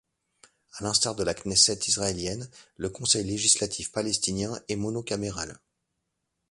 À l'instar de la Knesset israélienne, le Conseil législatif palestinien est monocaméral.